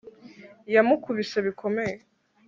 yamukubise bikomeye